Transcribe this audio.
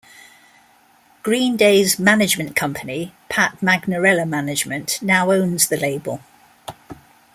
Green Day's management company, Pat Magnarella Management, now owns the label.